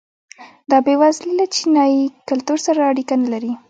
دا بېوزلي له چینايي کلتور سره اړیکه نه لرله.